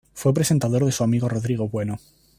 Fue presentador de su amigo Rodrigo Bueno.